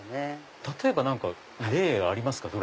例えば例ありますか？